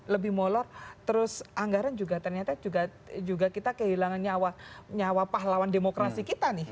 lebih molor terus anggaran juga ternyata juga kita kehilangan nyawa pahlawan demokrasi kita nih